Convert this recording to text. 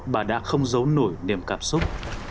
bà đã không giấu nổi niềm cảm xúc